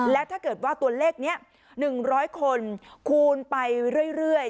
และถ้าเกิดว่าตัวเลขนี้๑๐๐คนคูณไปเรื่อย